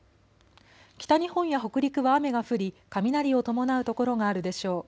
北日本や北陸は雨が降り雷を伴う所があるでしょう。